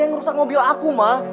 yang ngerusak mobil aku